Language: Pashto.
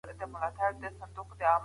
وړیا، اسانه او ګټور.